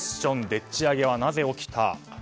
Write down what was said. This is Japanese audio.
でっち上げはなぜ起きた。